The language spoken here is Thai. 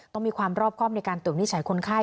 ต้องมีความรอบครอบในการตรวจวินิจฉัยคนไข้